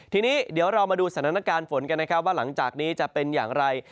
ทีนี้เดี๋ยวเรามาดูสถานการณ์ฝนกันนะครับว่าหลังจากนี้จะเป็นอย่างไร